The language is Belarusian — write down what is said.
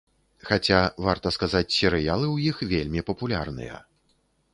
Хаця, варта сказаць, серыялы ў іх вельмі папулярныя.